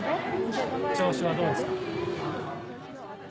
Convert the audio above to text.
調子はどうですか？